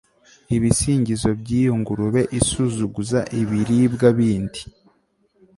Ibisingizo byiyo Ngurube isuzuguza ibiribwa bindi